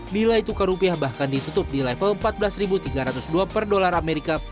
nilai tukar rupiah bahkan ditutup di level empat belas tiga ratus dua per dolar amerika